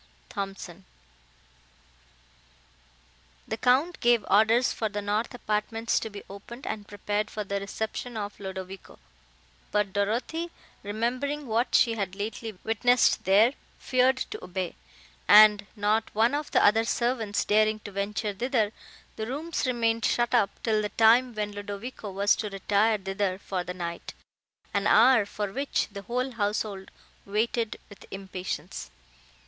THOMSON The Count gave orders for the north apartments to be opened and prepared for the reception of Ludovico; but Dorothée, remembering what she had lately witnessed there, feared to obey, and, not one of the other servants daring to venture thither, the rooms remained shut up till the time when Ludovico was to retire thither for the night, an hour, for which the whole household waited with impatience.